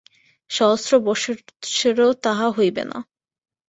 সহস্র বৎসরেও তাহা হইবে না।